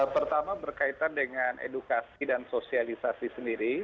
pertama berkaitan dengan edukasi dan sosialisasi sendiri